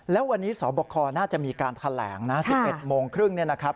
และวันนี้สบคน่าจะมีการแถลงนะ๑๑๓๐นนะครับ